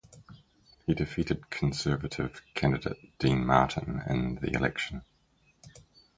He defeated Conservative candidate Dean Martin in the election.